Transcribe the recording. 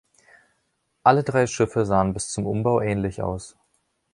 Alle drei Schiffe sahen bis zum Umbau ähnlich aus.